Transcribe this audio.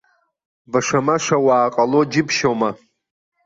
Баша-маша уаа ҟало џьыбшьома?